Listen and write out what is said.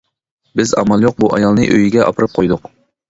بىز ئامال يۇق بۇ ئايالنى ئۆيىگە ئاپىرىپ قۇيدۇق.